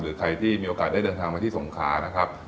ใครที่มีโอกาสได้เดินทางมาที่สงขานะครับ